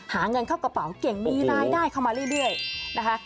หาเงินเข้ากระเป๋าเก่งมีรายได้เข้ามาเรื่อยนะคะ